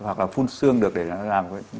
hoặc là phun xương được để nó làm